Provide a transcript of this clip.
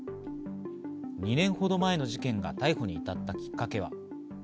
２年ほど前の事件が逮捕に至ったきっかけは。